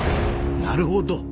なるほど。